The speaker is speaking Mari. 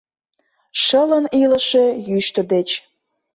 Шылын илыше йӱштӧ деч